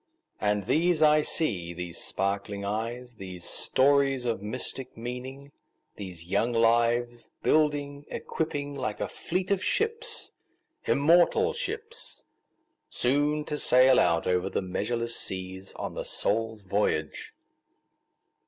And these I see—these sparkling eyes, These stores of mystic meaning—these young lives, Building, equipping, like a fleet of ships—immortal ships! Soon to sail out over the measureless seas, On the Soul's voyage.